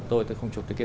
tôi không chụp cái kia